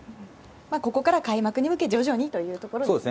ここから開幕に向け徐々にというところですね。